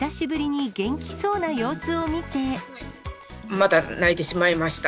また泣いてしまいました。